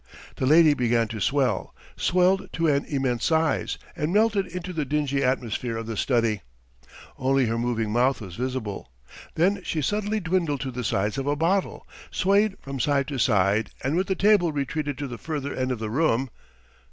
... The lady began to swell, swelled to an immense size, and melted into the dingy atmosphere of the study only her moving mouth was visible; then she suddenly dwindled to the size of a bottle, swayed from side to side, and with the table retreated to the further end of the room